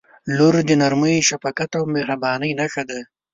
• لور د نرمۍ، شفقت او مهربانۍ نښه ده.